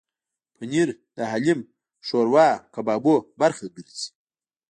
پنېر د حلیم، شوروا او کبابو برخه ګرځي.